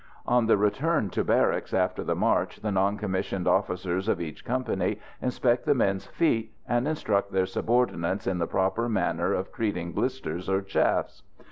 On the return to barracks after the march the non commissioned officers of each company inspect the men's feet, and instruct their subordinates in the proper manner of treating blisters or chafes.